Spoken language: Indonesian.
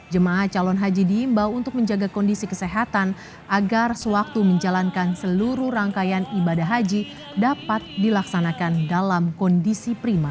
jemaah calon haji diimbau untuk menjaga kondisi kesehatan agar sewaktu menjalankan seluruh rangkaian ibadah haji dapat dilaksanakan dalam kondisi prima